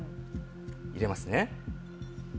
入れますね。